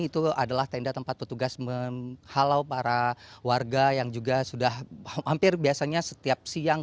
itu adalah tenda tempat petugas menghalau para warga yang juga sudah hampir biasanya setiap siang